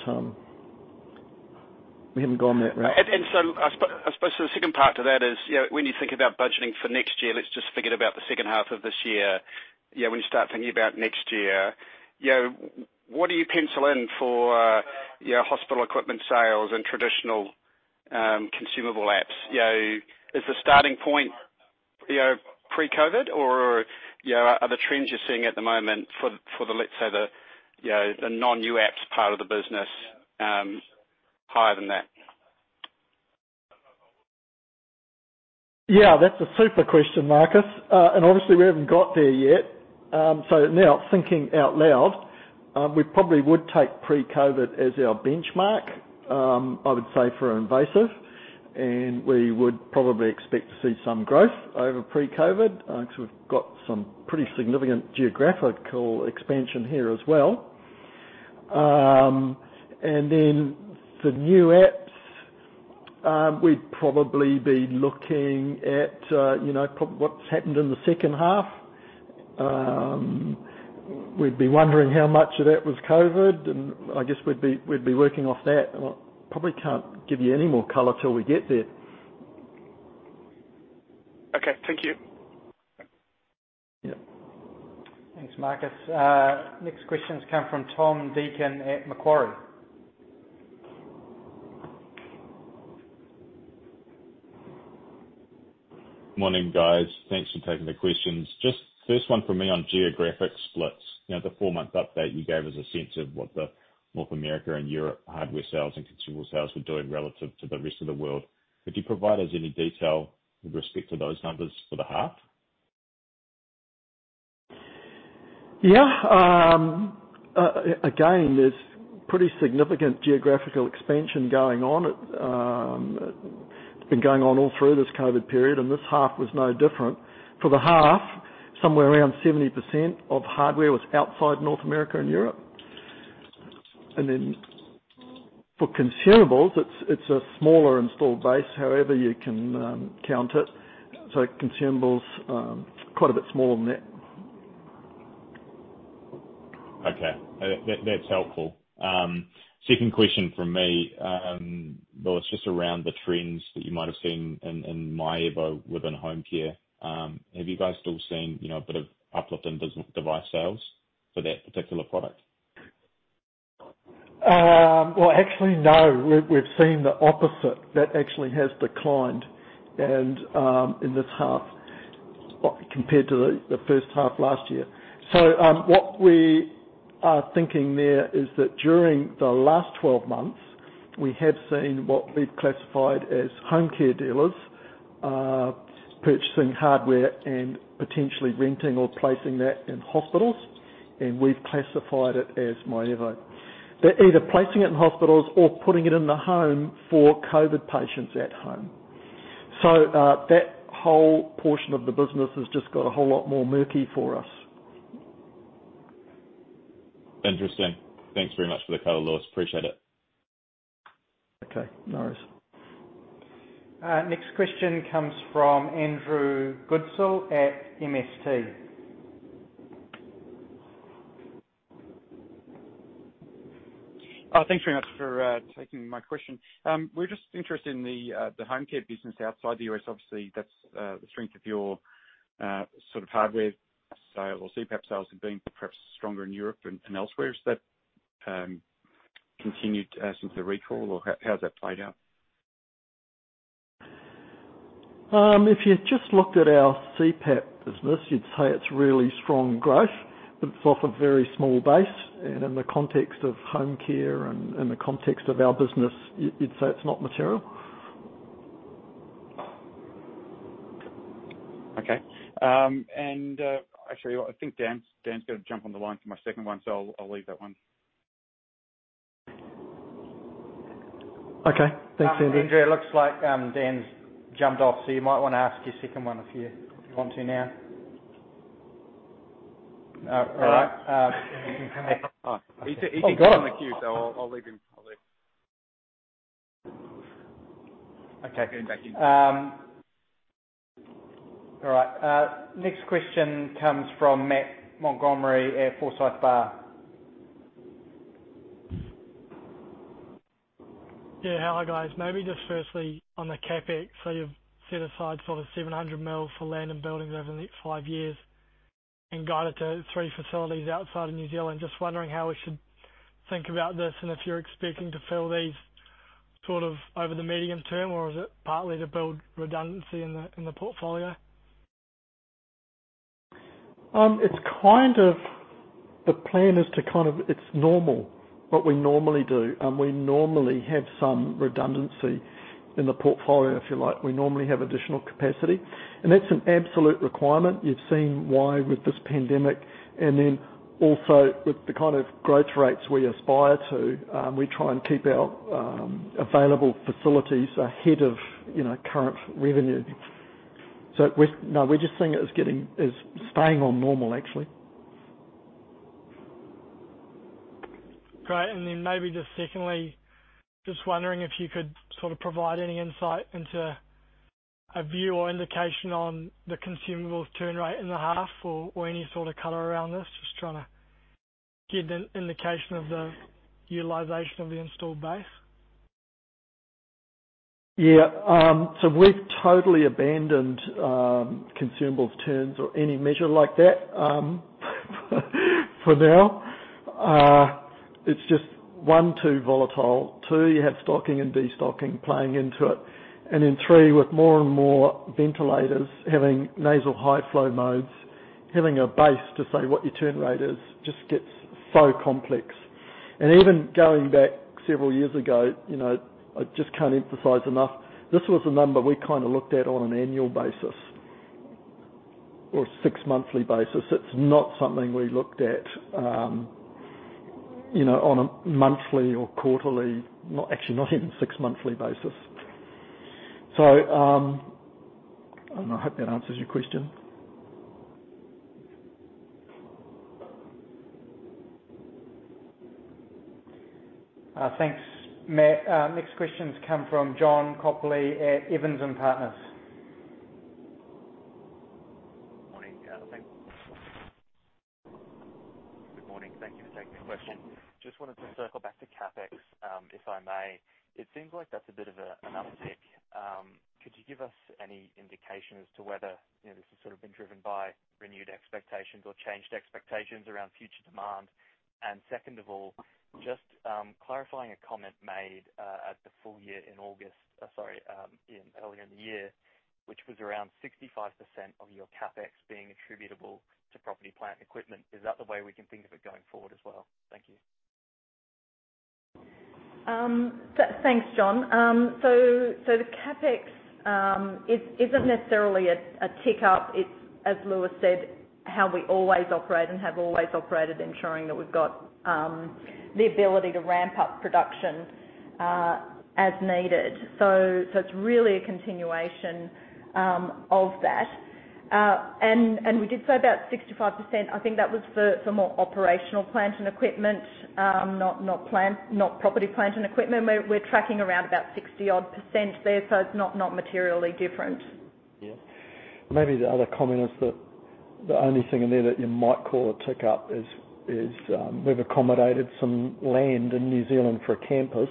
we haven't gone that route.
I suppose the second part to that is, you know, when you think about budgeting for next year, let's just forget about the second half of this year. You know, when you start thinking about next year, you know, what do you pencil in for, you know, hospital equipment sales and traditional, consumable apps? You know, is the starting point, you know, pre-COVID-19, or, you know, are the trends you're seeing at the moment for the, let's say, the, you know, the non-New applications part of the business, higher than that?
Yeah, that's a super question, Marcus. Obviously, we haven't got there yet. Now thinking out loud, we probably would take pre-COVID as our benchmark, I would say for invasive, and we would probably expect to see some growth over pre-COVID, because we've got some pretty significant geographical expansion here as well. Then for New applications, we'd probably be looking at, you know, what's happened in the second half. We'd be wondering how much of that was COVID, I guess we'd be working off that. Well, probably can't give you any more color till we get there.
Okay. Thank you.
Yeah.
Thanks, Marcus. Next questions come from Tom Deacon at Macquarie.
Morning, guys. Thanks for taking the questions. Just first one from me on geographic splits. You know, the four-month update, you gave us a sense of what the North America and Europe hardware sales and consumer sales were doing relative to the rest of the world. Could you provide us any detail with respect to those numbers for the half?
Yeah. Again, there's pretty significant geographical expansion going on. It's been going on all through this COVID period, and this half was no different. For the half, somewhere around 70% of hardware was outside North America and Europe. For consumables, it's a smaller installed base, however, you can count it. Consumables, quite a bit smaller than that.
Okay. That, that's helpful. Second question from me, well, it's just around the trends that you might have seen in myAirvo within home care. Have you guys still seen, you know, a bit of uplift in device sales for that particular product?
Well, actually, no. We've seen the opposite. That actually has declined in this half, compared to the first half last year. What we are thinking there is that during the last 12 months, we have seen what we've classified as home care dealers purchasing hardware and potentially renting or placing that in hospitals, and we've classified it as Mio. They're either placing it in hospitals or putting it in the home for COVID patients at home. That whole portion of the business has just got a whole lot more murky for us.
Interesting. Thanks very much for the color, Lewis. Appreciate it.
Okay, no worries.
Next question comes from Andrew Goodsall at MST.
Thanks very much for taking my question. We're just interested in the home care business outside the U.S. Obviously, that's the strength of your sort of hardware sales or CPAP sales have been perhaps stronger in Europe and elsewhere. Has that continued since the recall, or how has that played out?
...if you just looked at our CPAP business, you'd say it's really strong growth, but it's off a very small base, and in the context of home care and in the context of our business, you'd say it's not material.
Okay. actually, I think Dan's gonna jump on the line for my second one, I'll leave that one.
Okay. Thanks, Andrew.
Andrew, it looks like Dan's jumped off, you might wanna ask your second one if you want to now. All right. He can come back.
He can come in the queue, so I'll leave him. I'll leave.
Okay.
Get him back in.
All right. Next question comes from Matt Montgomerie at Forsyth Barr.
Yeah, hi, guys. Maybe just firstly on the CapEx. You've set aside sort of 700 million for land and buildings over the next five years and guided to three facilities outside of New Zealand. Just wondering how we should think about this, and if you're expecting to fill these sort of over the medium term, or is it partly to build redundancy in the portfolio?
It's kind of. The plan is to kind of, it's normal, what we normally do. We normally have some redundancy in the portfolio, if you like. We normally have additional capacity, and that's an absolute requirement. You've seen why with this pandemic, and then also with the kind of growth rates we aspire to, we try and keep our available facilities ahead of, you know, current revenue. No, we're just seeing it as staying on normal, actually.
Great. Then maybe just secondly, just wondering if you could sort of provide any insight into a view or indication on the consumables turn rate in the half or any sort of color around this. Just trying to get an indication of the utilization of the installed base.
Yeah. So we've totally abandoned, consumables turns or any measure like that, for now. It's just, one, too volatile. two, you have stocking and de-stocking playing into it. three, with more and more ventilators having nasal high flow modes, having a base to say what your turn rate is just gets so complex. Even going back several years ago, you know, I just can't emphasize enough, this was a number we kind of looked at on an annual basis or a six-monthly basis. It's not something we looked at, you know, on a monthly or quarterly, not, actually, not even six-monthly basis. I hope that answers your question.
Thanks, Matt. Next questions come from Saul Hadassin at Evans and Partners.
We did say about 65%, I think that was for more operational plant and equipment, not plant, not property, plant, and equipment. We're tracking around about 60 odd % there, it's not materially different.
Yeah. Maybe the other comment is that the only thing in there that you might call a tick up is, we've accommodated some land in New Zealand for a campus,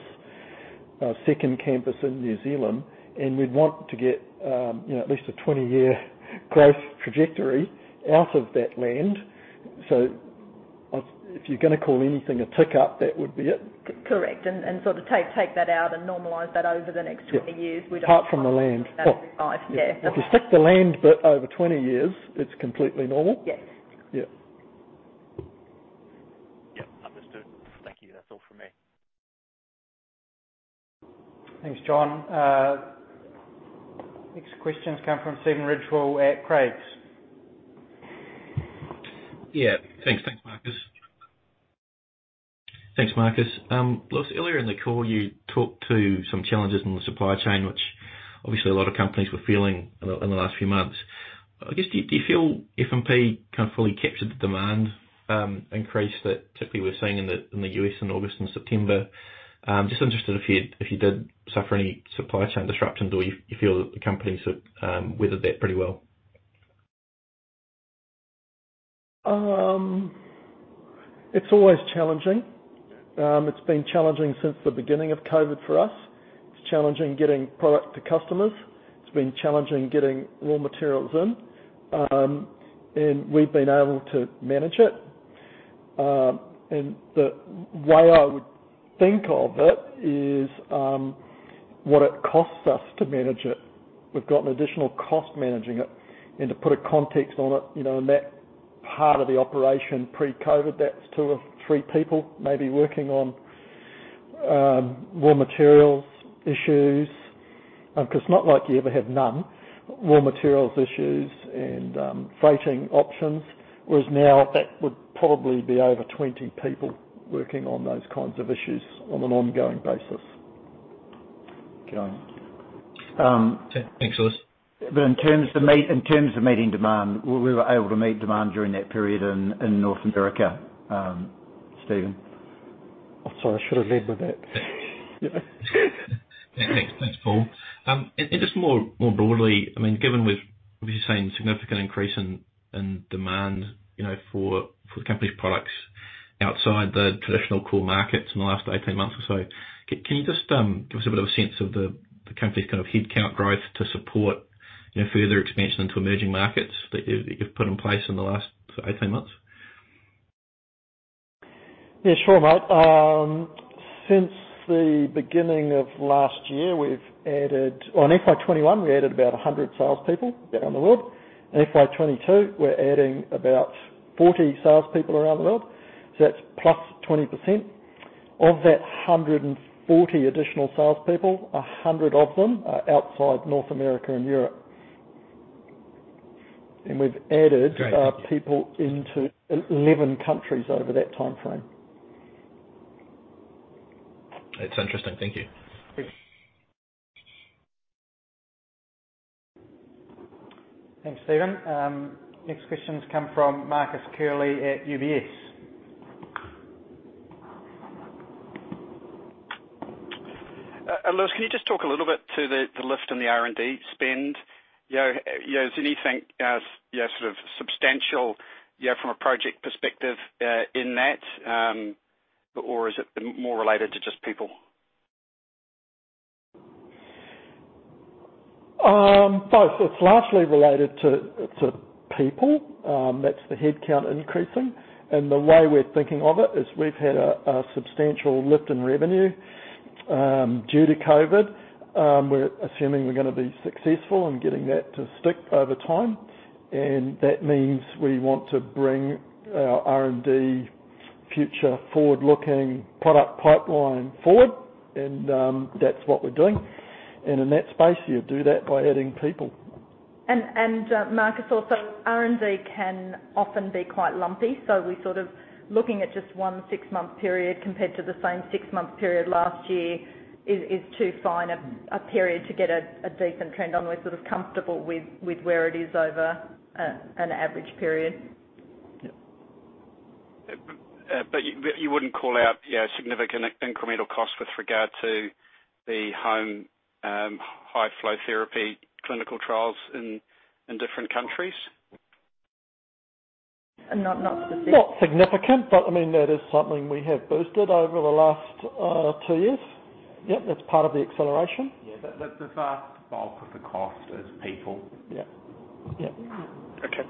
a second campus in New Zealand, and we'd want to get, you know, at least a 20-year growth trajectory out of that land. If you're gonna call anything a tick up, that would be it.
Correct, sort of take that out and normalize that over the next 20 years.
Apart from the land.
Yeah.
If you stick the land bit over 20 years, it's completely normal.
Yes.
Yeah.
Yep, understood. Thank you. That's all from me.
Thanks, John. Next questions come from Stephen Ridgewell at Craigs.
Thanks. Thanks, Marcus. Lewis, earlier in the call, you talked to some challenges in the supply chain, which obviously a lot of companies were feeling in the last few months. I guess, do you feel FPH can't fully capture the demand increase that typically we're seeing in the U.S. in August and September? Just interested if you did suffer any supply chain disruptions, or you feel that the company sort of weathered that pretty well.
It's always challenging. It's been challenging since the beginning of COVID for us. It's challenging getting product to customers. It's been challenging getting raw materials in. We've been able to manage it. The way I would think of it is what it costs us to manage it. We've got an additional cost managing it, and to put a context on it, you know, in that part of the operation, pre-COVID, that's two or three people maybe working on raw materials issues, 'cause it's not like you ever have none, raw materials issues and freighting options. Whereas now, that would probably be over 20 people working on those kinds of issues on an ongoing basis. Carry on.
Thanks, Lewis.
In terms of meeting demand, we were able to meet demand during that period in North America, Stephen?
Oh, sorry, I should have led with that.
Thanks, Paul. Just more broadly, I mean, given we've seen significant increase in demand, you know, for the company's products outside the traditional core markets in the last 18 months or so, can you just give us a bit of a sense of the company's kind of headcount growth to support, you know, further expansion into emerging markets that you've put in place in the last 18 months?
Yeah, sure, mate. Since the beginning of last year, on FY 2021, we added about 100 salespeople around the world. In FY 2022, we're adding about 40 salespeople around the world, so that's +20%. Of that 140 additional salespeople, 100 of them are outside North America and Europe.
Great.
people into 11 countries over that timeframe.
That's interesting. Thank you.
Thanks.
Thanks, Stephen. Next questions come from Marcus Curley at UBS.
Lewis, can you just talk a little bit to the lift in the R&D spend? You know, is anything sort of substantial from a project perspective in that, or is it more related to just people?
Both. It's largely related to people, that's the headcount increasing. The way we're thinking of it is we've had a substantial lift in revenue due to COVID. We're assuming we're gonna be successful in getting that to stick over time, and that means we want to bring our R&D future forward-looking product pipeline forward, and that's what we're doing. In that space, you do that by adding people.
Marcus, also, R&D can often be quite lumpy, so we're sort of looking at just one six-month period compared to the same six-month period last year, is to find a period to get a decent trend on. We're sort of comfortable with where it is over an average period.
Yeah.
you wouldn't call out, you know, significant incremental cost with regard to the home, high flow therapy clinical trials in different countries?
Not specific.
Not significant, but, I mean, that is something we have boosted over the last, two years. Yeah, that's part of the acceleration.
Yeah. The vast bulk of the cost is people.
Yeah. Yeah.
Okay.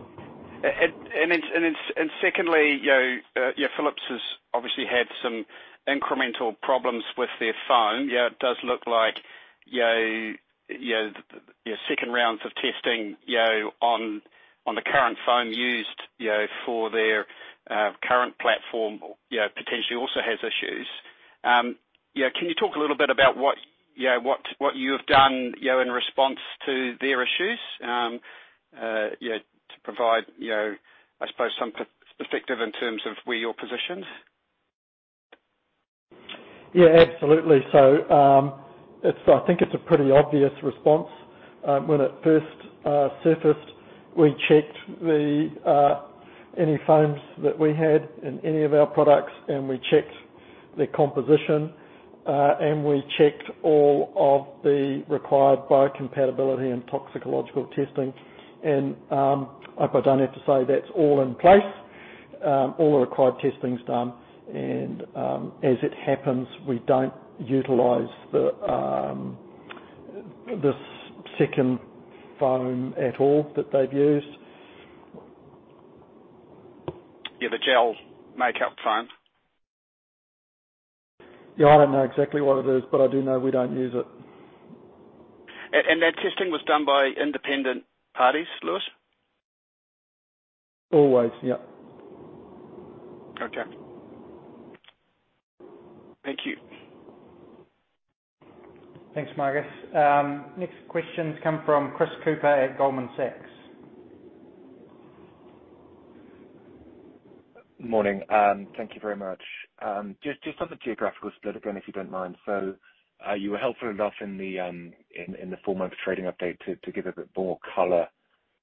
Secondly, you know, yeah, Philips has obviously had some incremental problems with their foam. Yeah, it does look like, you know, yeah, your second rounds of testing, you know, on the current foam used, you know, for their current platform, you know, potentially also has issues. Can you talk a little bit about what, you know, what you have done, you know, in response to their issues? you know, to provide, you know, I suppose some perspective in terms of where you're positioned.
Yeah, absolutely. It's, I think it's a pretty obvious response. When it first surfaced, we checked the any foams that we had in any of our products, and we checked their composition, and we checked all of the required biocompatibility and toxicological testing. I don't have to say that's all in place. All the required testing's done, and as it happens, we don't utilize the second foam at all that they've used.
Yeah, the gel makeup foam.
Yeah, I don't know exactly what it is, but I do know we don't use it.
That testing was done by independent parties, Lewis?
Always, yeah.
Okay. Thank you.
Thanks, Marcus. Next questions come from Chris Cooper at Goldman Sachs.
Morning, thank you very much. Just on the geographical split again, if you don't mind. You were helpful enough in the full month trading update to give a bit more color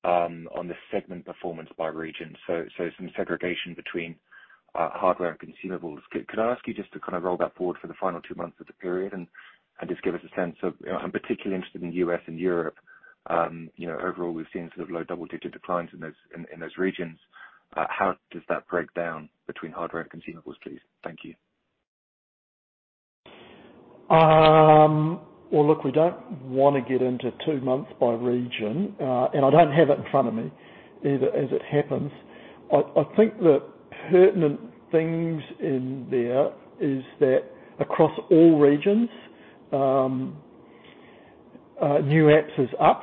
on the segment performance by region. Some segregation between hardware and consumables. Could I ask you just to kind of roll that forward for the final two months of the period, and just give us a sense of, you know, I'm particularly interested in US and Europe. You know, overall, we've seen sort of low double-digit declines in those regions. How does that break down between hardware and consumables, please? Thank you....
Well, look, we don't want to get into two months by region, I don't have it in front of me either, as it happens. I think the pertinent things in there is that across all regions, New applications is up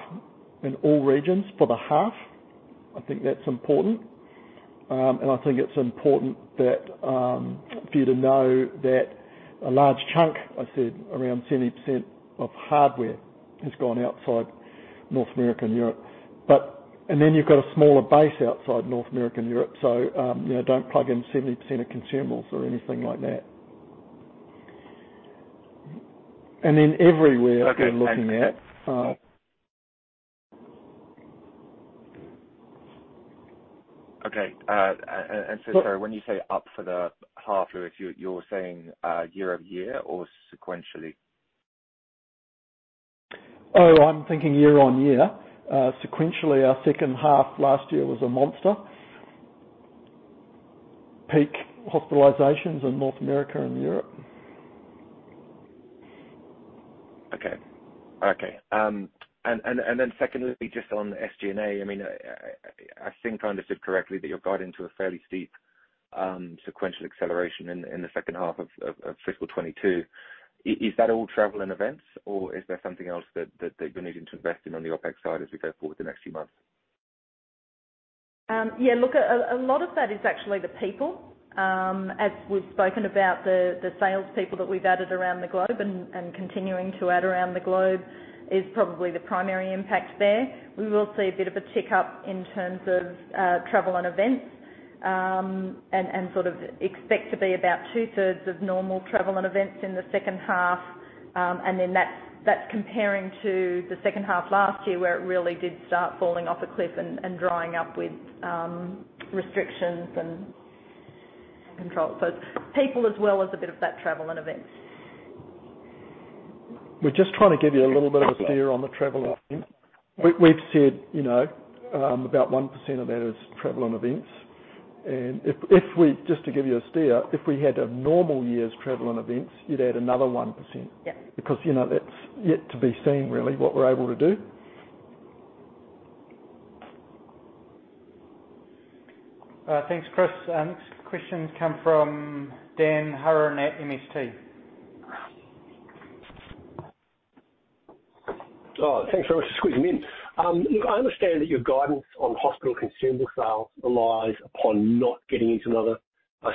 in all regions for the half. I think that's important. I think it's important that for you to know that a large chunk, I said around 70% of hardware, has gone outside North America and Europe. You've got a smaller base outside North America and Europe. You know, don't plug in 70% of consumables or anything like that. Everywhere we're looking at.
Okay, so sorry, when you say up for the half, you're saying, year-over-year or sequentially?
I'm thinking year-on-year. Sequentially, our second half last year was a monster. Peak hospitalizations in North America and Europe.
Okay. Okay, secondly, just on SG&A, I mean, I think I understood correctly that you're guiding to a fairly steep sequential acceleration in the second half of fiscal 2022. Is that all travel and events, or is there something else that you're needing to invest in on the OpEx side as we go forward the next few months?
Yeah, look, a lot of that is actually the people. As we've spoken about, the sales people that we've added around the globe and continuing to add around the globe is probably the primary impact there. We will see a bit of a tick up in terms of travel and events, and sort of expect to be about two-thirds of normal travel and events in the second half. That's comparing to the second half last year, where it really did start falling off a cliff and drying up with restrictions and controls. People, as well as a bit of that travel and events.
We're just trying to give you a little bit of a steer on the travel event. We've said, you know, about 1% of that is travel and events. Just to give you a steer, if we had a normal year's travel and events, you'd add another 1%.
Yeah.
you know, that's yet to be seen, really, what we're able to do.
Thanks, Chris. Next question come from Dan Hurren at MST.
Thanks very much for squeezing me in. Look, I understand that your guidance on hospital consumable sales relies upon not getting into a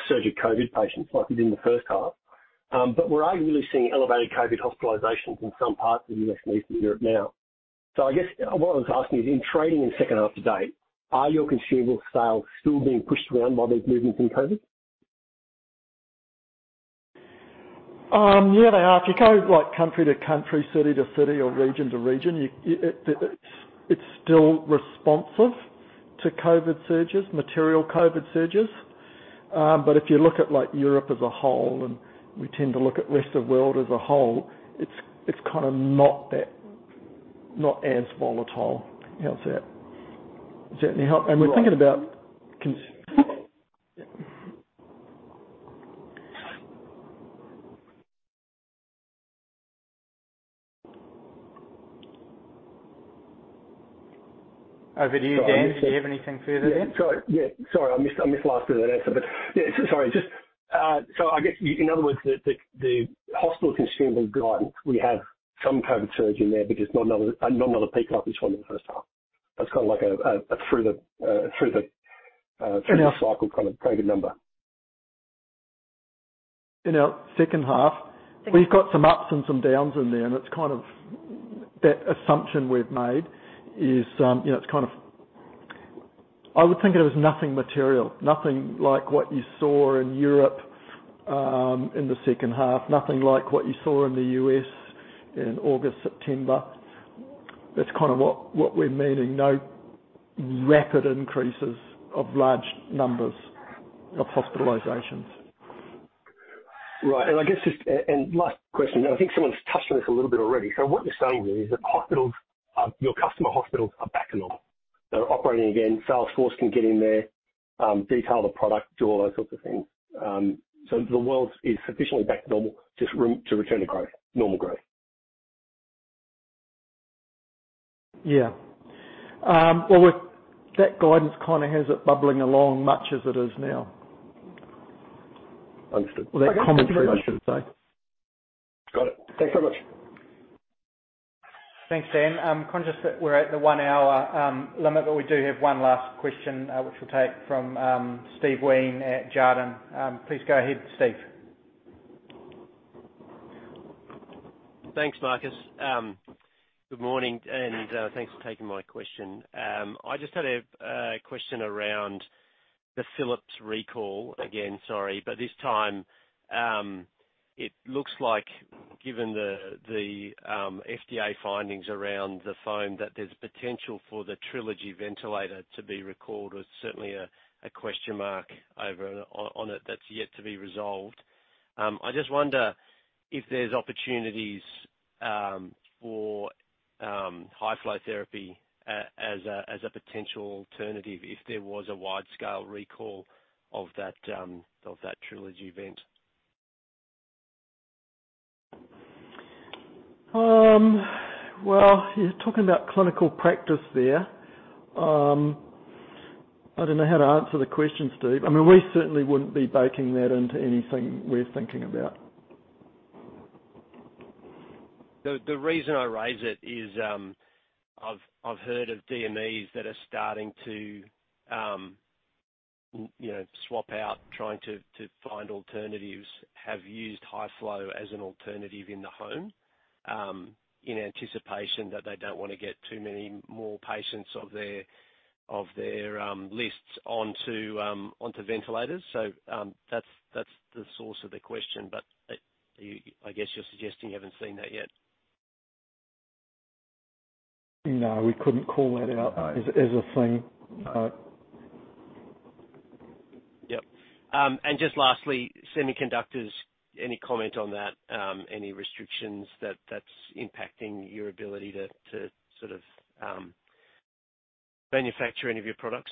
surge of COVID patients like we did in the first half. We're ideally seeing elevated COVID hospitalizations in some parts of the U.S. and Eastern Europe now. I guess what I was asking is, in trading in second half to date, are your consumable sales still being pushed around by these movements in COVID?
Yeah, they are. If you go, like, country to country, city to city or region to region, you, it's still responsive to COVID surges, material COVID surges. If you look at, like, Europe as a whole, and we tend to look at rest of world as a whole, it's kind of not that, not as volatile. How's that? Does that any help?
Right.
We're thinking about.
Over to you, Dan. Do you have anything further?
Yeah, sorry. Yeah, sorry, I missed last of that answer, but yeah, sorry. Just, I guess you, in other words, the hospital consumable guidance, we have some COVID surge in there because not another peak like we saw in the first half. That's kind of like a, through the cycle kind of COVID number.
In our second half, we've got some ups and some downs in there, and it's kind of, that assumption we've made is, you know, it's kind of, I would think it was nothing material, nothing like what you saw in Europe, in the second half. Nothing like what you saw in the U.S. in August, September. That's kind of what we're meaning. No rapid increases of large numbers of hospitalizations.
Right. I guess just. Last question, I think someone's touched on this a little bit already. What you're saying is that hospitals, your customer hospitals are back to normal, they're operating again, sales force can get in there, detail the product, do all those sorts of things. The world is sufficiently back to normal, just room to return to growth, normal growth?
Well, with that guidance kind of has it bubbling along much as it is now.
Understood.
Well, that commentary, I should say.
Got it. Thanks very much.
Thanks, Dan. I'm conscious that we're at the one-hour limit, but we do have one last question, which we'll take from Steven Wheen at Jarden. Please go ahead, Steve.
Thanks, Marcus. Good morning, and thanks for taking my question. I just had a question around the Philips recall. Again, sorry, but this time, it looks like given the FDA findings around the phone, that there's potential for the Trilogy ventilator to be recalled. There's certainly a question mark over on it that's yet to be resolved. I just wonder if there's opportunities for any-... high flow therapy as a potential alternative if there was a wide-scale recall of that, of that Trilogy vent?
You're talking about clinical practice there. I don't know how to answer the question, Steve. I mean, we certainly wouldn't be baking that into anything we're thinking about.
The reason I raise it is, I've heard of DMEs that are starting to, you know, swap out, trying to find alternatives, have used high flow as an alternative in the home, in anticipation that they don't want to get too many more patients of their lists onto ventilators. That's the source of the question, but I guess you're suggesting you haven't seen that yet.
No, we couldn't call that out.
All right.
as a thing. No.
Yep. Just lastly, semiconductors. Any comment on that? Any restrictions that's impacting your ability to sort of manufacture any of your products?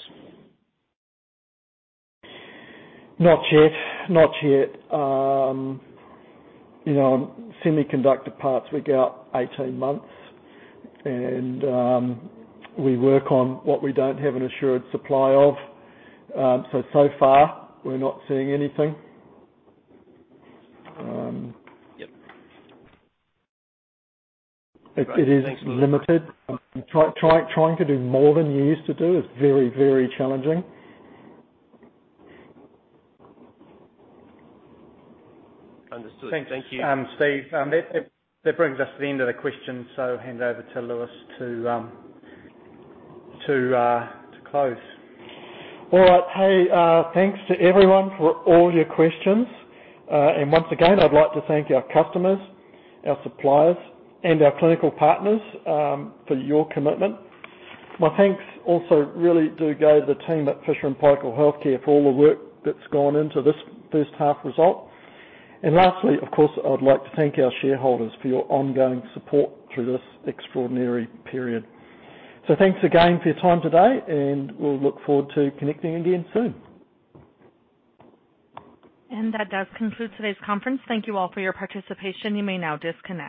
Not yet. Not yet. You know, on semiconductor parts, we go out 18 months, and we work on what we don't have an assured supply of, so far, we're not seeing anything.
Yep.
It is limited.
Thanks a lot.
Trying to do more than you used to do is very challenging.
Understood. Thank you.
Steve, that brings us to the end of the questions, so hand over to Lewis to close.
All right. Hey, thanks to everyone for all your questions. Once again, I'd like to thank our customers, our suppliers, and our clinical partners for your commitment. My thanks also really do go to the team at Fisher & Paykel Healthcare for all the work that's gone into this first half result. Lastly, of course, I'd like to thank our shareholders for your ongoing support through this extraordinary period. Thanks again for your time today, and we'll look forward to connecting again soon.
That does conclude today's conference. Thank you all for your participation. You may now disconnect.